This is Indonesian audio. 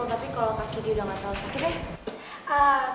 tapi kalau kaki dia udah gak terlalu sakit deh